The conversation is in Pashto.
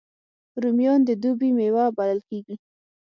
رومیان د دوبي میوه بلل کېږي